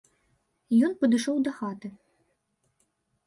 Ён падышоў да хаты.